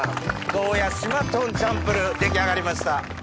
ゴーヤー島とんチャンプルー出来上がりました。